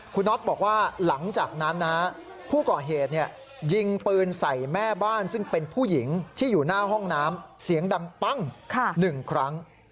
คุณน็อตบอกว่าหลังจากนั้นนะผู้ก่อเหตุยิงปืนใส่แม่บ้านซึ่งเป็นผู้หญิงที่อยู่หน้าห้องน้ำเสียงดังปั้ง๑ครั้ง